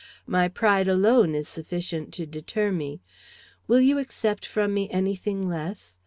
"My pride alone is sufficient to deter me. Will you accept from me any thing less.